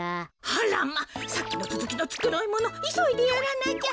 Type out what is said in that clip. あらまさっきのつづきのつくろいものいそいでやらなきゃ。